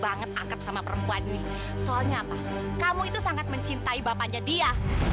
banget akrab sama perempuan nih soalnya apa kamu itu sangat mencintai bapaknya dia